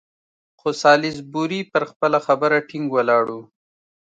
خو سالیزبوري پر خپله خبره ټینګ ولاړ وو.